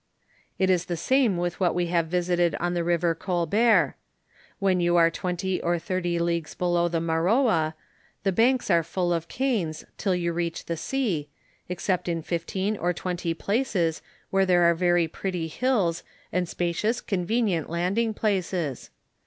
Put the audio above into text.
It is the same with what we have visited on the river Col bert. "When you are twenty or thirty leagues below the Maroa, the banks ai'e full of canes until you reach the sea, except in fifteen or twenty places where there are very pretty hills, and spacious, convenient, landing places.